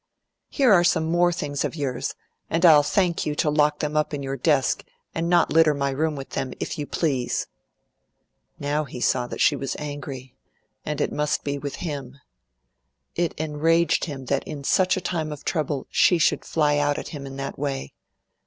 "Here are some more things of yours, and I'll thank you to lock them up in your desk and not litter my room with them, if you please." Now he saw that she was angry, and it must be with him. It enraged him that in such a time of trouble she should fly out at him in that way.